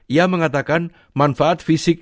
ia mengatakan manfaat fisik